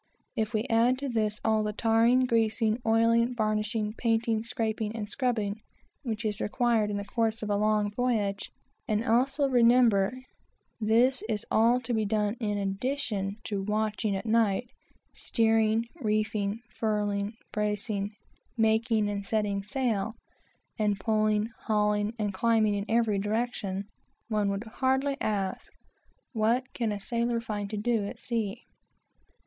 If we add to this all the tarring, greasing, oiling, varnishing, painting, scraping, and scrubbing which is required in the course of a long voyage, and also remember this is all to be done in addition to watching at night, steering, reefing, furling, bracing, making and setting sail, and pulling, hauling, and climbing in every direction, one will hardly ask, "What can a sailor find to do at sea?"